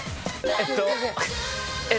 えっとえっと。